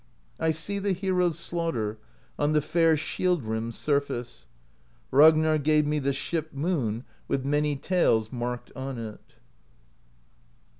I see the heroes' slaughter On the fair shield rim's surface; Ragnarr gave me the Ship Moon With many tales marked on it.